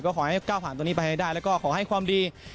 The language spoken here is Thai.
ก็ขอให้ก้าวผ่านตรงนี้ไปให้ได้แล้วก็ขอให้ความดี